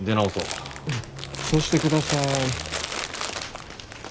うんそうしてください。